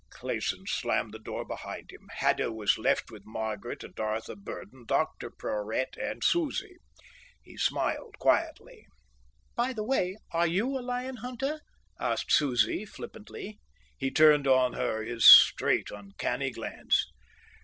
Clayson slammed the door behind him. Haddo was left with Margaret, and Arthur Burdon, Dr Porhoët, and Susie. He smiled quietly. "By the way, are you a lion hunter?" asked Susie flippantly. He turned on her his straight uncanny glance.